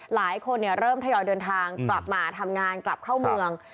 หลายคนเริ่มทยอยเดินทางกลับมาทำงานกลับเข้าเมือง